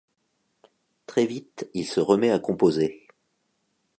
Très vite il se remet à composer.